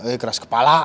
eh keras kepala